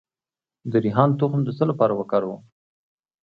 د ریحان تخم د څه لپاره وکاروم؟